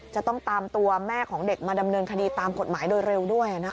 จะต้องตามตัวแม่ของเด็กมาดำเนินคดีตามกฎหมายโดยเร็วด้วย